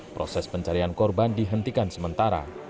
proses pencarian korban dihentikan sementara